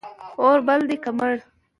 اور بل دی که مړ